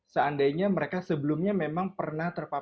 seandainya mereka sebelumnya memang pernah terpapar